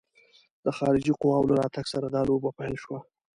د خارجي قواوو له راتګ سره دا لوبه پیل شوه.